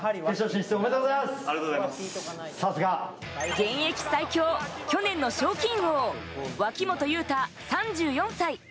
現役最強、去年の賞金王・脇本雄太、３４歳。